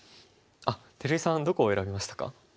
照井さんどこを選びましたか？